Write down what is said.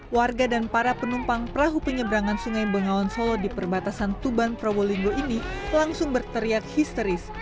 warga dan para penumpang perahu penyeberangan sungai bengawan solo di perbatasan tuban probolinggo ini langsung berteriak histeris